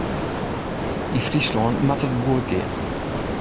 Yn Fryslân moat it goed gean.